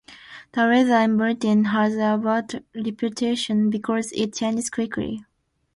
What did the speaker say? The weather in Britain has a bad reputation because it changes quickly.